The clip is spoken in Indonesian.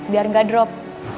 biar gak drop